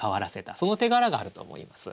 その手柄があると思います。